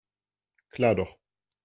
Klar doch.